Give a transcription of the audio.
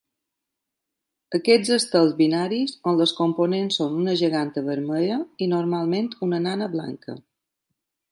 Aquests estels binaris on les components són una geganta vermella i normalment una nana blanca.